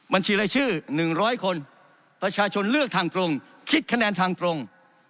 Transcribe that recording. บัญชีรายชื่อ๑๐๐คนประชาชนเลือกทางตรงคิดคะแนนทางตรง